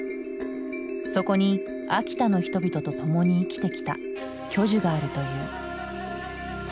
そこに秋田の人々と共に生きてきた巨樹があるという。